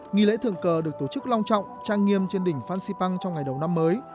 nghi lễ thường cờ được tổ chức long trọng trang nghiêm trên đỉnh phan xipang trong ngày đầu năm mới